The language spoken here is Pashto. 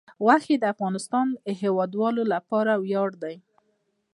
غوښې د افغانستان د هیوادوالو لپاره ویاړ دی.